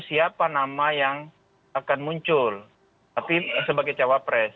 siapa nama yang akan muncul tapi sebagai cawapres